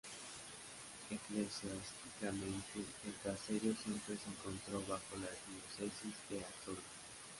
Eclesiásticamente, el caserío siempre se encontró bajo la Diócesis de Astorga.